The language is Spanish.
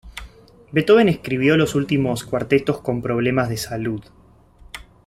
Beethoven escribió los últimos cuartetos con problemas de salud.